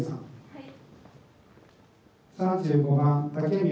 はい。